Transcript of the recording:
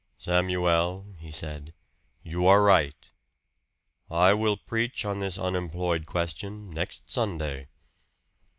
"Samuel," he said, "you are right. I will preach on this unemployed question next Sunday."